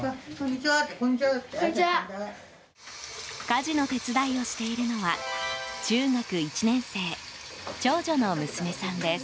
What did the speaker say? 家事の手伝いをしているのは中学１年生、長女の娘さんです。